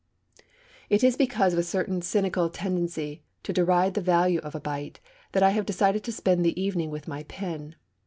It is because of a certain cynical tendency to deride the value of a bite that I have decided to spend the evening with my pen.